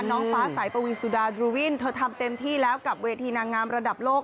น้องฟ้าสายปวีสุดาดรูวินเธอทำเต็มที่แล้วกับเวทีนางงามระดับโลก